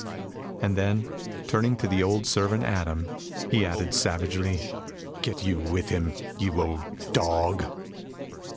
And then, turning to the old servant Adam, he added savagely, "Get you with him, you old dog!"